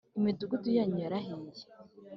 imidugudu yanyu yarahiye